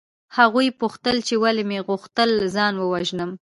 هغوی پوښتل چې ولې مې غوښتل ځان ووژنم